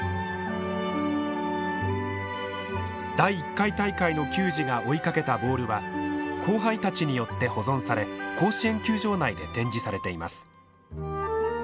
第１回大会の球児が追いかけたボールは後輩たちによって保存され甲子園球場内で展示されています。